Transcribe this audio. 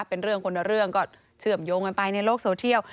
เป็นเรื่องคนละเรื่องก็เชื่อมโยงกันไปในโลกโซเทียล